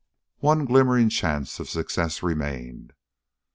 One glimmering chance of success remained.